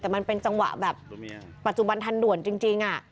แต่มันเป็นจังหวะแบบปัจจุบันทันด่วนจริง